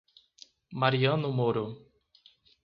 Mariano Moro